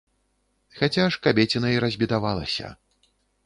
Хаця ж кабеціна і разбедавалася.